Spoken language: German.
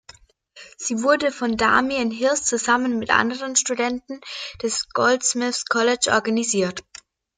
Sie wurde von Damien Hirst zusammen mit anderen Studenten des Goldsmiths College organisiert.